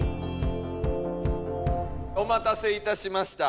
お待たせいたしました。